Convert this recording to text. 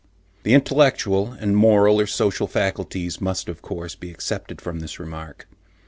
The intellectual and moral or social faculties must of course be excepted from this remark.